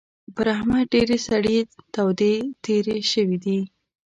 پر احمد ډېرې سړې تودې تېرې شوې دي.